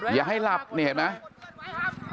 อย่าให้หลับนี่เห็นไหม